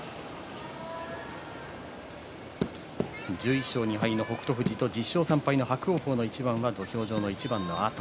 １１勝２敗の北勝富士と１０勝３敗の伯桜鵬の一番はこのあと。